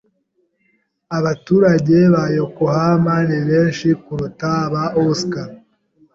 Abaturage ba Yokohama ni benshi kuruta aba Osaka.